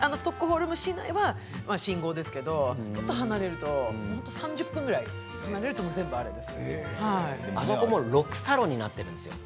ストックホルム市内は信号ですけれどもちょっと離れると３０分くらい離れるとあそこも６差路になっているんですよ。